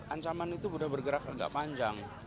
ancaman itu sudah bergerak agak panjang